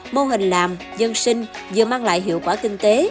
mô hình làm dân sinh vừa mang lại hiệu quả kinh tế